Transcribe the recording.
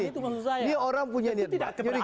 ini orang punya niat baik